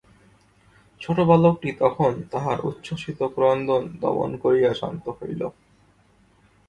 ছোটো বালকটি তখন তাহার উচ্ছ্বসিত ক্রন্দন দমন করিয়া শান্ত হইল।